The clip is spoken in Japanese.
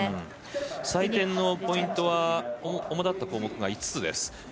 採点のポイントは主だった項目が５つです。